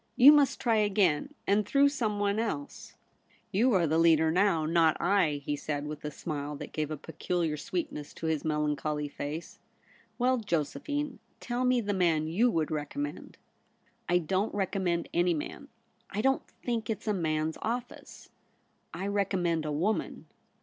You must try again, and through some one else.' ' You are the leader now, not I,' he said, with a smile that gave a peculiar sweetness to his melancholy face. 'Well, Josephine, tell me the man you would recommend.' ' I don't recommend any man. I don't think it's a man's office. I recommend a woman.'